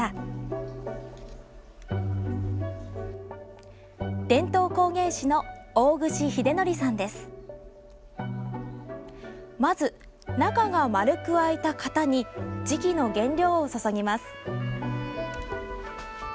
まず、中が丸く開いた型に磁器の原料を注ぎます。